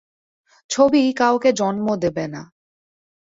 ছবি কাউকে জন্ম দেবে না।